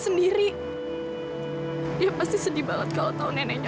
sampai jumpa di video selanjutnya